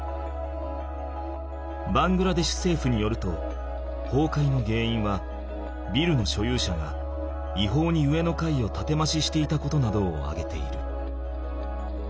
バングラデシュせいふによるとほうかいのげんいんはビルの所有者がいほうに上の階をたてまししていたことなどをあげている。